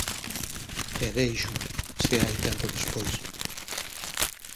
E déixoo, se hai tempo despois.